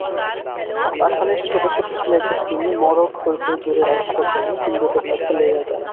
পাঠানের ছোটো ছোটো ছেলেদের তিনি মড়ক হইতে দূরে রাখিবার জন্য হিন্দুদের কাছে লইয়া গেলেন।